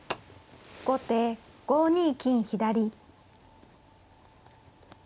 後手５二金左。